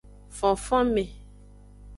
Fonfonme.